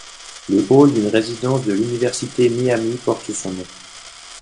Le hall d'une résidence de l'université Miami porte son nom.